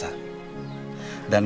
dan kamu harus berpikir